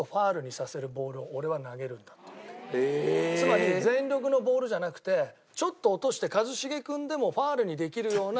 つまり全力のボールじゃなくてちょっと落として一茂君でもファウルにできるような。